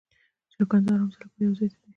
چرګان د آرام لپاره یو ځای ته ځي.